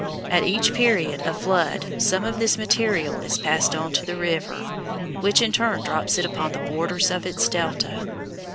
At each period of flood some of this material is passed on to the river, which in turn drops it upon the borders of its delta.